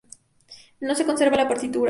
No se conserva la partitura.